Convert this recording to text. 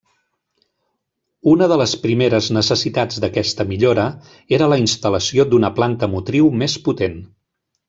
Una de les primeres necessitats d'aquesta millora era la instal·lació d'una planta motriu més potent.